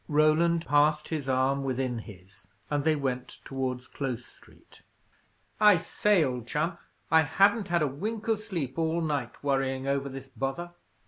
Roland passed his arm within his, and they went towards Close Street. "I say, old chum, I haven't had a wink of sleep all night, worrying over this bother.